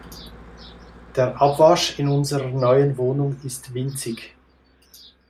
Der Abwasch in unserer neuen Wohnung ist winzig.